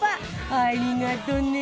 ありがとうね！